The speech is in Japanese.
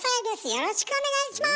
よろしくお願いします！